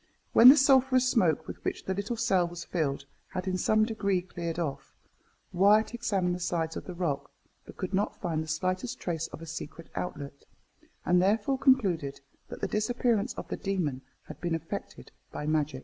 When the sulphureous smoke, with which the little cell was filled, had in some degree cleared off, Wyat examined the sides of the rock, but could not find the slightest trace of a secret outlet, and therefore concluded that the disappearance of the demon had been effected by magic.